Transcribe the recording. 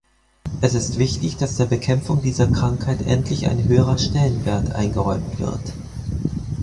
Es ist wichtig, dass der Bekämpfung dieser Krankheit endlich ein höherer Stellenwert eingeräumt wird.